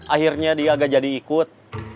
akhirnya dia agak jadi ikut